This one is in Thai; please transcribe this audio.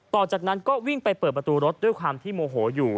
ต่อจากนั้นก็วิ่งไปเปิดประตูรถด้วยความที่โมโหอยู่